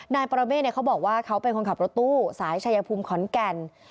นายปรเมฆเขาบอกว่าเขาเป็นคนขับรถตู้สายชายภูมิขอนแก่น